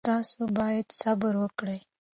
تاسو باید صبر وکړئ.